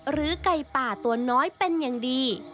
ไก่ป่าตัวน้อยเป็นอย่างดี